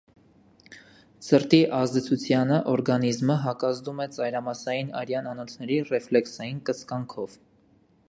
Ցրտի ազդեցությանն օրգանիզմը հակազդում է ծայրամասային արյան անոթների ռեֆլեքսային կծկանքով։